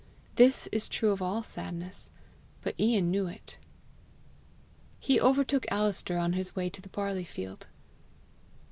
This is true of all sadness, but Ian knew it. He overtook Alister on his way to the barley field.